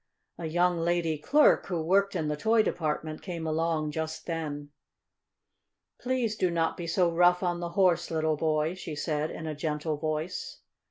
A young lady clerk, who worked In the toy department, came along just then. "Please do not be so rough on the Horse, little boy," she said in a gentle voice.